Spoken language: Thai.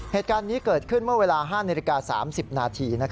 เหตุการณ์นี้เกิดขึ้นเมื่อเวลา๕นาฬิกา๓๐นาที